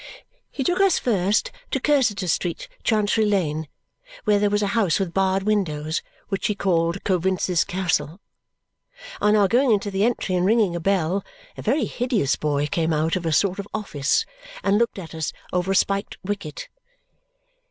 He took us, first, to Cursitor Street, Chancery Lane, where there was a house with barred windows, which he called Coavinses' Castle. On our going into the entry and ringing a bell, a very hideous boy came out of a sort of office and looked at us over a spiked wicket.